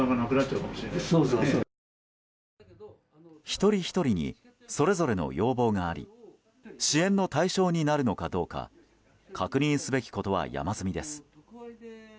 一人ひとりにそれぞれの要望があり支援の対象になるのかどうか確認すべきことは山積みです。